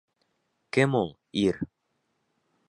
Кем ул ир?